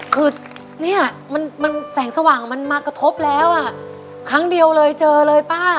คือเนี่ยมันแสงสว่างมันมากระทบแล้วอ่ะครั้งเดียวเลยเจอเลยป้า